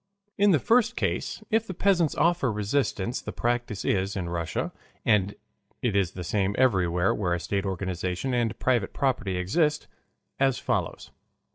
In the first case if the peasants offer resistance the practice is in Russia, and it is the same everywhere where a state organization and private property exist, as follows.